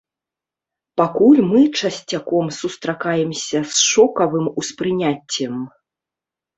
Пакуль мы часцяком сустракаемся з шокавым успрыняццем.